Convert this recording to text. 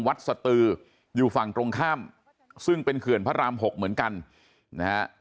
สตืออยู่ฝั่งตรงข้ามซึ่งเป็นเขื่อนพระราม๖เหมือนกันนะฮะ